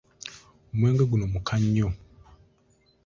Omwenge guno muka nnyo.